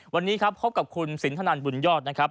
วันนี้ครับพบกับคุณสินทนันบุญยอดนะครับ